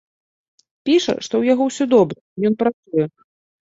Піша, што ў яго ўсё добра, ён працуе.